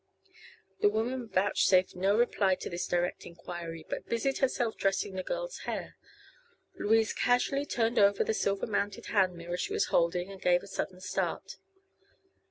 The woman vouchsafed no reply to this direct enquiry, but busied herself dressing the girl's hair. Louise casually turned over the silver mounted hand mirror she was holding and gave a sudden start.